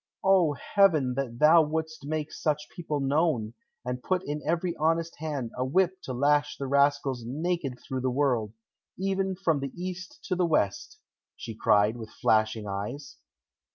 "Oh, heaven, that thou would'st make such people known, and put in every honest hand a whip to lash the rascals naked through the world, even from the east to the west!" she cried, with flashing eyes.